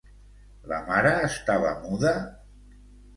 La mare estava muda?